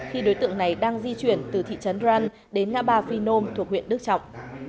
khi đối tượng này đang di chuyển từ thị trấn răn đến ngã ba phi nôm thuộc huyện đức trọng